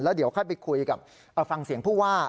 เดี๋ยวค่อยไปคุยกับฟังเสียงผู้ว่า